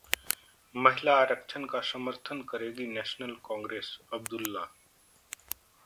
महिला आरक्षण का समर्थन करेगी नेशनल कांफ्रेंसः अब्दुल्ला